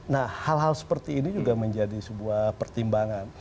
nah hal hal seperti ini juga menjadi sebuah pertimbangan